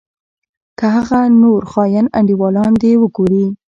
که هغه نور خاين انډيوالان دې وګورې.